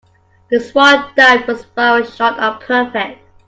The swan dive was far short of perfect.